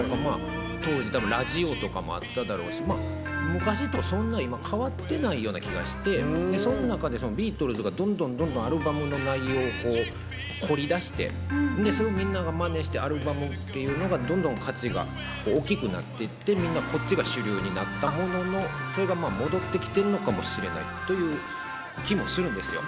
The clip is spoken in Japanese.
当時ラジオとかもあっただろうし昔とそんなに今、変わってないような気がしてその中でビートルズがどんどんアルバムの内容を凝りだしてそれでみんながまねしてアルバムっていうのがどんどん価値が大きくなっていってみんな、こっちが主流になったもののそれが戻ってきてるのかもしれないという気もするんですよ。